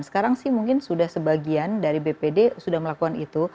sekarang sih mungkin sudah sebagian dari bpd sudah melakukan itu